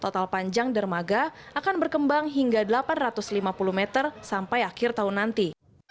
total panjang dermaga akan berkembang hingga delapan ratus lima puluh meter sampai akhir tahun nanti